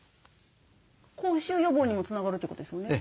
口臭予防にもつながるってことですもんね？